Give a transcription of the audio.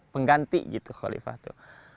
pengganti gitu khalifah itu